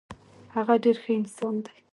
هغه ډیر ښه انسان دی.